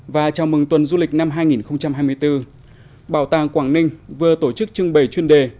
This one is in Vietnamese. và chào mừng tuần du lịch năm hai nghìn hai mươi bốn bảo tàng quảng ninh vừa tổ chức trưng bày chuyên đề